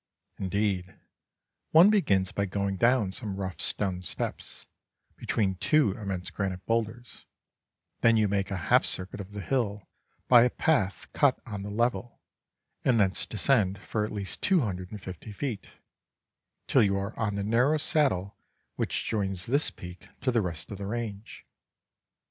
Indeed, one begins by going down some rough stone steps, between two immense granite boulders; then you make a half circuit of the hill by a path cut on the level, and thence descend for at least 250 feet, till you are on the narrow saddle which joins this peak to the rest of the range.